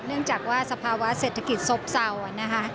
เนื่องจากว่าสภาวะเศรษฐกิจซบเศร้านะคะ